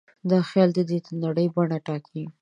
دا خیال د ده د نړۍ بڼه ټاکي.